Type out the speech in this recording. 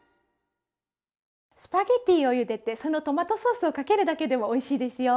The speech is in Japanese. スパゲッティをゆでてそのトマトソースをかけるだけでもおいしいですよ。